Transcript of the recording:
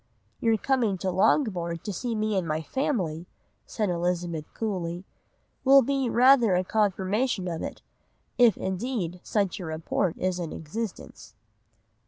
"'Your coming to Langbourn to see me and my family,' said Elizabeth coolly, 'will be rather a confirmation of it; if, indeed, such a report is in existence.